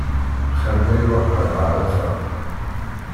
Xir ma iruḥ ɣer ɛarafa.